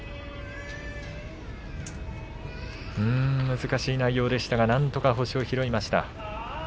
難しい内容でしたがなんとか星を拾いました。